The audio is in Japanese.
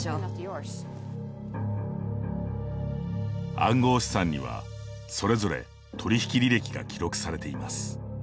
暗号資産にはそれぞれ取引履歴が記録されています。